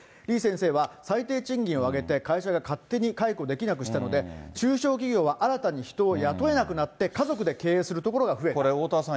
李先生は、最低賃金を上げて、会社で勝手に解雇できなくしたので、中小企業は新たに人を雇えなくなって家族で経営する所が増えた。